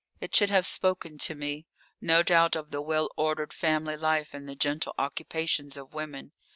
It should have spoken to me, no doubt, of the well ordered family life and the gentle occupations of women.